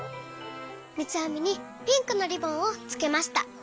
みつあみにピンクのリボンをつけました。